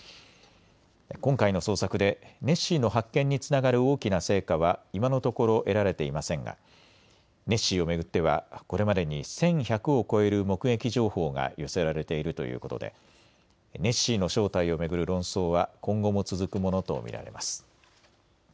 今回の捜索でネッシーの発見につながる大きな成果は今のところ得られていませんがネッシーを巡ってはこれまでに１１００を超える目撃情報が寄せられているということでネッシーの正体を巡る論争は今後も続くものと見られます。